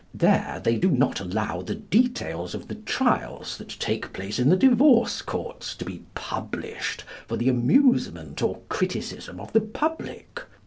There they do not allow the details of the trials that take place in the divorce courts to be published for the amusement or criticism of the public.